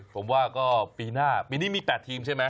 ผมว่าก็ปีหน้าปีนี้มี๘ทีมใช่ไหม